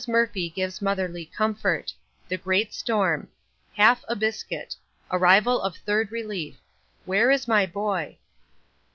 MURPHY GIVES MOTHERLY COMFORT THE GREAT STORM HALF A BISCUIT ARRIVAL OF THIRD RELIEF "WHERE IS MY BOY?"